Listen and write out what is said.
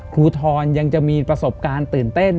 ทรยังจะมีประสบการณ์ตื่นเต้น